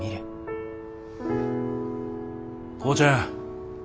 浩ちゃん。